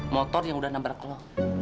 motor yang udah nabrak lo